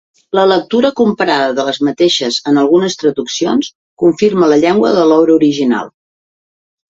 La lectura comparada de les mateixes en algunes traduccions confirma la llengua de l’obra original.